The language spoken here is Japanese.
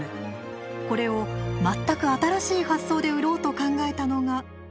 これを全く新しい発想で売ろうと考えたのが。